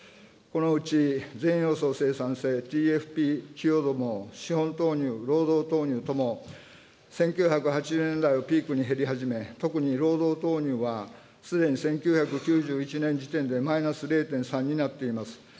このうち、全要素生産性・ＴＦＰ寄与度も資本投入、労働投入とも、１９８０年代をピークに減り始め、特に労働投入は、すでに１９９１年時点でマイナス０．３になっています。